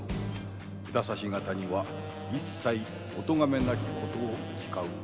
札差方には一切お咎めなきことを誓うもの也。